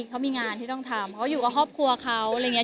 เขามีงานที่ต้องทำเขาอยู่กับครอบครัวเขาอะไรอย่างนี้